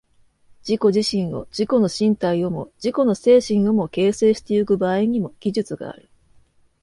自己自身を、自己の身体をも自己の精神をも、形成してゆく場合にも、技術がある。